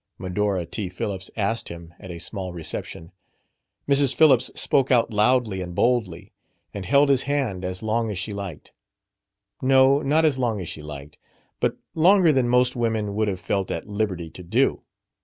Medora T. Phillips asked him at a small reception. Mrs. Phillips spoke out loudly and boldly, and held his hand as long as she liked. No, not as long as she liked, but longer than most women would have felt at liberty to do.